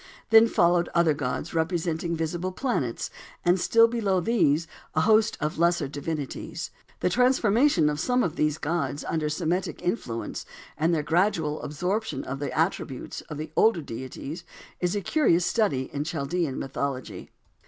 Then followed other gods, representing visible planets, and still below these a host of lesser nature divinities. The transformation of some of these gods under Semitic influences, and their gradual absorption of the attributes of the older deities is a curious study in Chaldean mythology.